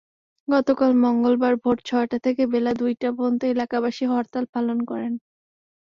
গতকাল মঙ্গলবার ভোর ছয়টা থেকে বেলা দুইটা পর্যন্ত এলাকাবাসী হরতাল পালন করেন।